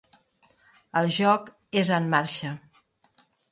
El joc és en marxa.